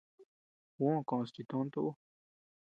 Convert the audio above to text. Juó koʼos chis tonto ú.